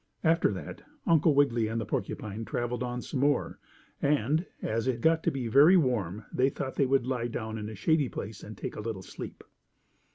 After that Uncle Wiggily and the porcupine traveled on some more, and, as it got to be very warm they thought they would lie down in a shady place and take a little sleep.